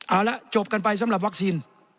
เอาละจบกันไปสำหรับวัคซีน